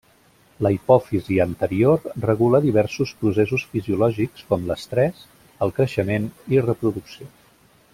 La hipòfisi anterior regula diversos processos fisiològics com l'estrès, el creixement i reproducció.